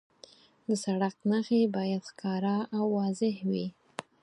د سړک نښې باید ښکاره او واضح وي.